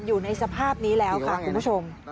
อยู่ในสภาพนี้แล้วค่ะคุณผู้ชม